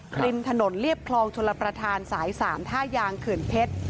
ริมถนนเรียบคลองชลประธานสาย๓ท่ายางเขื่อนเพชร